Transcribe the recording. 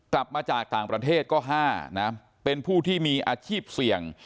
กลับมาจากต่างประเทศก็๕นะเป็นผู้ที่มีอาชีพเสี่ยง